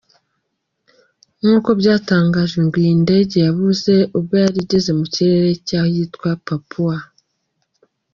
Nkuko byatangajwe ngo iyi ndege yabuze ubwo yari igeze mu kirere cy’ahitwa Papua.